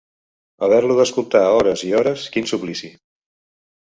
Haver-lo d'escoltar hores i hores: quin suplici!